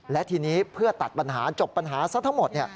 และทีนี้เพื่อตัดปัญหาจบปัญหาซะทั้งหมด